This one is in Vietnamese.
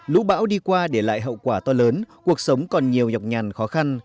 lũ bão đi qua để lại hậu quả to lớn cuộc sống còn nhiều nhọc nhằn khó khăn